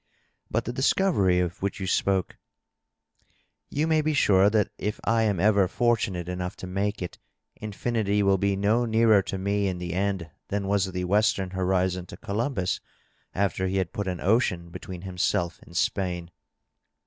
" But the discovery of which you spoke ?" You may be sure that if I am ever fortunate enough to make it, infinity will be no nearer to me in the end than was the western horizon to Columbus aft; er he had put an ocean between himself and Spain."